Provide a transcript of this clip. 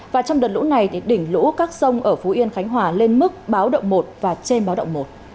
và trong đợt lũ này đỉnh lũ các sông ở phú yên khánh hòa lên mức báo động một và trên báo động một